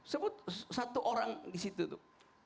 sebut satu orang di situ tuh